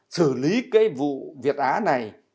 xử lý cái vụ việt á này